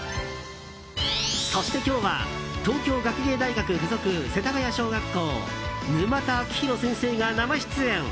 そして今日は東京学芸大学付属世田谷小学校沼田晶弘先生が生出演。